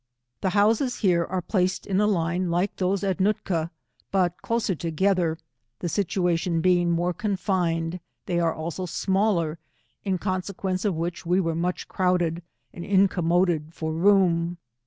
The houses here are placed in a line like those at Noot ka, but closer together, the situation being more confined, they are also smaller, in consequence of which, we were much crowded, aad incommoded for room.